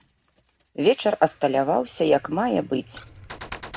Вечар асталяваўся як мае быць.